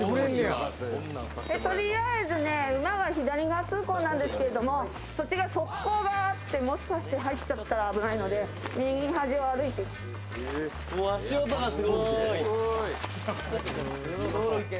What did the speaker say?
とりあえず馬は左側通行なんですけど、側溝があってもしかして入っちゃったら危ないので右端を歩いていきます。